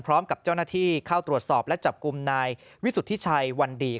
พร้อมกับเจ้าหน้าที่เข้าตรวจสอบและจับกลุ่มนายวิสุทธิชัยวันดี